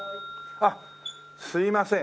あっすいません。